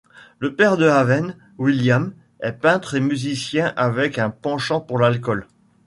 Le père de Haven, William, est peintre et musicien avec un penchant pour l'alcool.